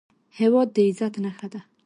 هېواد د عزت نښه ده